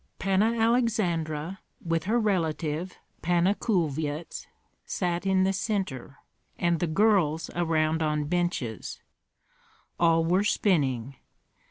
Panna Aleksandra, with her relative Panna Kulvyets, sat in the centre, and the girls around on benches; all were spinning.